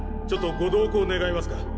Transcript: ちょっとご同行願えますか？